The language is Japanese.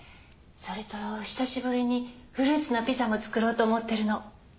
それと久しぶりにフルーツのピザも作ろうと思ってるの。